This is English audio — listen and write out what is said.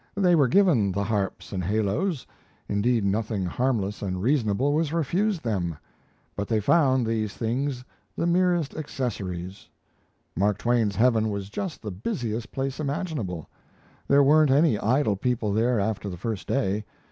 They were given the harps and halos indeed nothing harmless and reasonable was refused them. But they found these things the merest accessories. Mark Twain's heaven was just the busiest place imaginable. There weren't any idle people there after the first day.